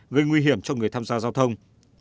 gây nguy hiểm cho người tham gia giao thông